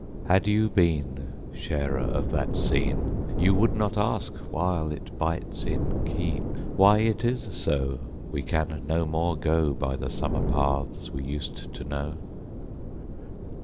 Had you been Sharer of that scene You would not ask while it bites in keen Why it is so We can no more go By the summer paths we used to know!